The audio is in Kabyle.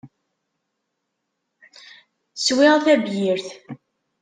Swiɣ tabyirt.